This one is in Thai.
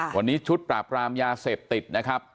วันนี้ชุดปราบรามยาเสพติดนะครับ